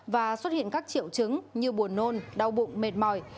và xuất hiện các triệu chứng như buồn nôn đau bụng mệt mỏi